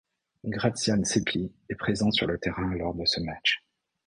Grațian Sepi est présent sur le terrain lors de ce match.